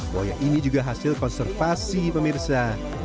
buaya ini juga hasil konservasi pemirsa